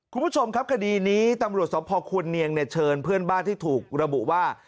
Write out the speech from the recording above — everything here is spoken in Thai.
คุณผู้ชมครับคดีนี้ตำรวจสภควรเนียงเนี่ยเชิญเพื่อนบ้านที่ถูกระบุว่า